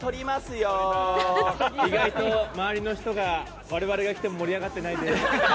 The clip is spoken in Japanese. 意外と周りの人が我々が来ても盛り上がってないです。